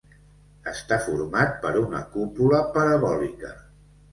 Està format per una cúpula parabòlica.